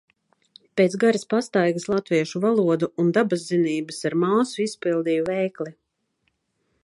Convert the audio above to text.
Pēc garas pastaigas latviešu valodu un dabaszinības ar māsu izpildīja veikli.